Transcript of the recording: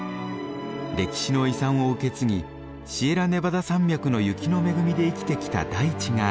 歴史の遺産を受け継ぎシエラネバダ山脈の雪の恵みで生きてきた大地が見渡せます。